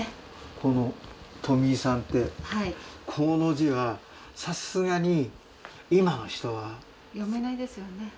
このとみいさんってこの字はさすがに今の人は読めない。